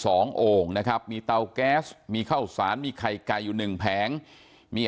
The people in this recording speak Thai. โอ่งนะครับมีเตาแก๊สมีข้าวสารมีไข่ไก่อยู่หนึ่งแผงมี